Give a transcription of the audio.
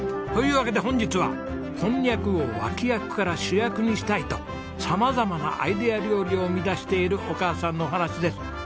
というわけで本日はこんにゃくを脇役から主役にしたいと様々なアイデア料理を生み出しているお母さんのお話です。